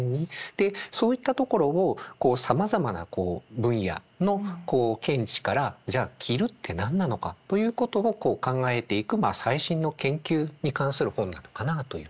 でそういったところをこうさまざまな分野の見地からじゃあ着るって何なのかということを考えていく最新の研究に関する本なのかなあというのがこの一冊なんですね。